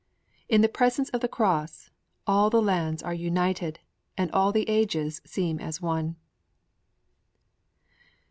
In the presence of the Cross all the lands are united and all the ages seem as one.